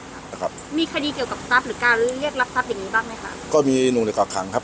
มีคดีเกี่ยวกับทรัพย์หรือการเรียกรับทรัพย์อย่างงี้บ้างไหมค่ะก็มีหนุ่งเหนียวกักขังครับ